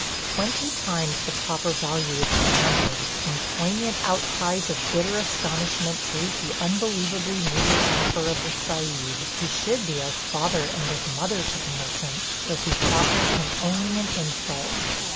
Twenty times the proper value is demanded, and poignant outcries of bitter astonishment greet the unbelievably meagre offer of the Sahib, who should be as father and as mother to the merchant, but who proffers him only an insult.